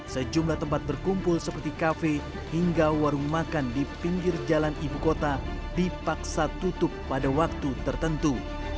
sejumlah tempat berkumpul seperti kafe hingga warung makan di pinggir jalan ibu kota dipaksa tutup pada waktu tertentu